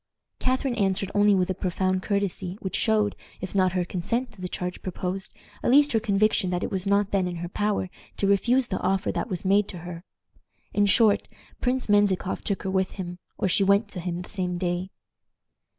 "Catharine answered only with a profound courtesy, which showed, if not her consent to the change proposed, at least her conviction that it was not then in her power to refuse the offer that was made to her. In short, Prince Menzikoff took her with him, or she went to him the same day."